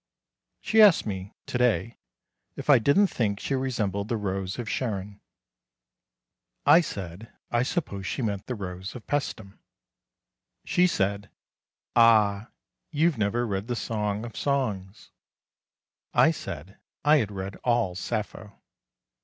She asked me, to day, if I didn't think she resembled the Rose of Sharon. I said I supposed she meant the rose of Paestum. She said, "Ah! You've never read the Song of Songs." I said I had read all Sappho.